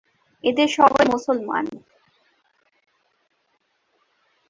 এদের সবাই মুসলমান।